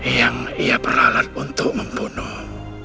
yang ia peralat untuk membunuh